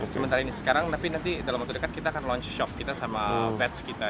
sementara ini sekarang tapi nanti dalam waktu dekat kita akan launch shop kita sama pets kita